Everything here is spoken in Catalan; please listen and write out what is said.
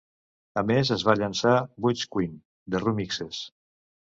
A més, es va llançar Butch Queen: The Ru-Mixes.